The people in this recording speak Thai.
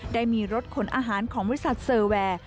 ได้มีรถขนอาหารของบริษัทเซอร์แวร์